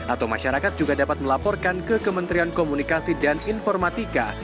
atau masyarakat juga dapat melaporkan ke kementerian komunikasi dan informatika